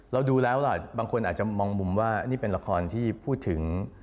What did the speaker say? เราดูแล้วล่ะบางคนอาจจะมองมุมว่านี่เป็นละครที่พูดถึง